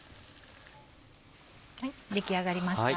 出来上がりました。